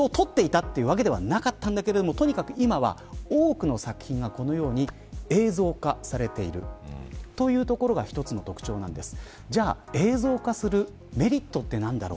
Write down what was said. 決して、大賞を取っていたというわけではなかったんですがとにかく今は多くの作品がこのように映像化されているというところが一つの特徴です。